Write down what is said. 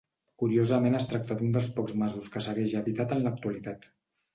Curiosament es tracta d'un dels pocs masos que segueix habitat en l'actualitat.